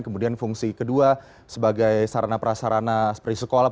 kemudian fungsi kedua sebagai sarana prasarana seperti sekolah